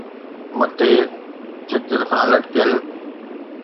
مٿي ڇت کان لٽڪيل